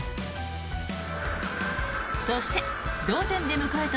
そして、同点で迎えた